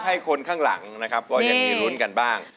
ให้คนข้างหลังนะครับก็จะมีลุ้นกันบ้าง